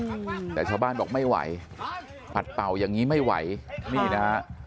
อืมแต่ชาวบ้านบอกไม่ไหวปัดเป่าอย่างงี้ไม่ไหวนี่นะฮะ